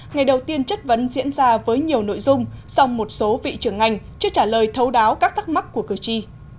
ngày đầu tiên chất vấn diễn ra với nhiều nội dung song một số vị trưởng ngành chưa trả lời thấu đáo các thắc mắc của cử tri